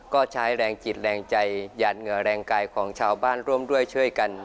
ก็ใช้แรงจิตแรงใจยันเหงื่อแรงกายของชาวบ้านร่วมด้วยช่วยกัน